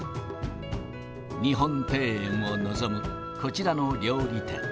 日本庭園を望むこちらの料理店。